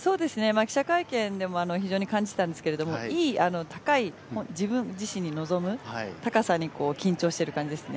記者会見でも非常に感じたんですけどもいい高い自分自身に臨む高さに緊張してる感じですね。